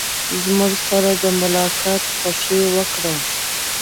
زموږ سره د ملاقات خوښي وکړه.